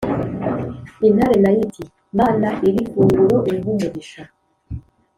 intare nayo iti"mana iri funguro urihe umugisha".